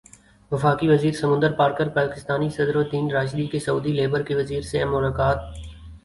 وفاقی وزیر سمندر پار پاکستانی صدر الدین راشدی کی سعودی لیبر کے وزیر سے اہم ملاقات